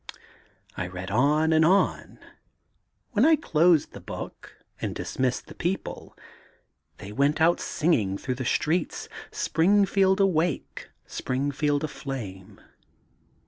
'^I read on and on. When I closed the book and dismissed the people, they went out sing ing throngh the streets ^Springfield Awake^ Springfield Aflame.'